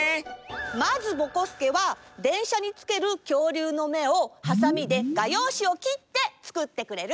まずぼこすけはでんしゃにつけるきょうりゅうのめをハサミでがようしをきってつくってくれる？